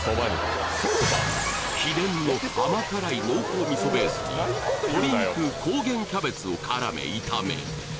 秘伝の甘辛い濃厚味噌ベースに鶏肉高原キャベツを絡め炒める